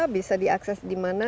bisa diakses di mana